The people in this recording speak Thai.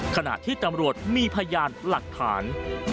ขณะที่ตำรวจมีพยานหลักฐาน